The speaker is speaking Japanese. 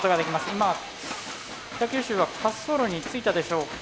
今北九州は滑走路についたでしょうか？